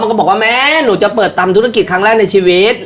ก็บอกว่าแม่หนูจะเปิดตำธุรกิจครั้งแรกในชีวิต